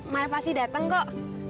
maya pasti dateng kok